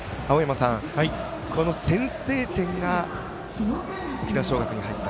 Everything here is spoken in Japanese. この先制点が沖縄尚学に入った。